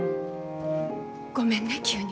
ごめんね急に。